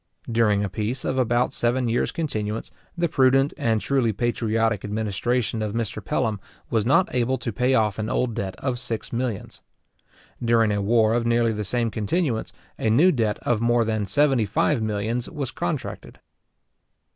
During a peace of about seven years continuance, the prudent and truly patriotic administration of Mr. Pelham was not able to pay off an old debt of six millions. During a war of nearly the same continuance, a new debt of more than seventy five millions was contracted.